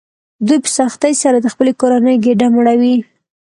دوی په سختۍ سره د خپلې کورنۍ ګېډه مړوي